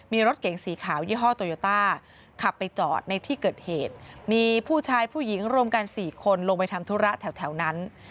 มีรถเก่งสีขาวยี่ห้อโตโยต้าขับไปจอดในที่เกิดเหตุมีผู้ชายผู้หญิงรวมกัน๔คนลงไปทำธุระแถวนั้น